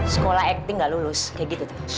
sekolah acti gak lulus kayak gitu